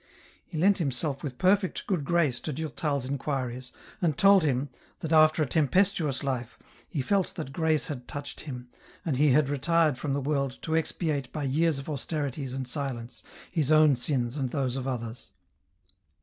He lent himself with perfect good grace to Durtal's inquiries, and told him, that after a tempestuous life, he felt that Grace had touched him, and he had retired from the world to expiate by years of austerities and silence his own sins and those of others.